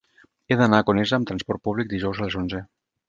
He d'anar a Conesa amb trasport públic dijous a les onze.